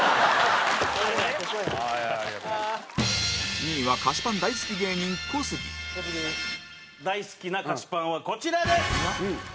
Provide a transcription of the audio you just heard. ２位は菓子パン大好き芸人、小杉大好きな菓子パンはこちらです。